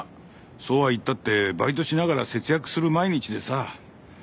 そうは言ったってバイトしながら節約する毎日でさ。